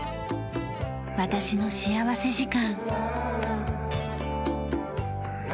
『私の幸福時間』。